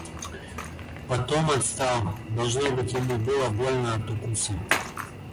Потом отстал, — должно быть, ему было больно от укуса.